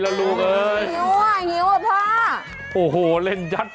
มาตอบตัวเล็ก